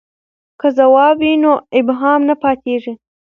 که ځواب وي نو ابهام نه پاتیږي.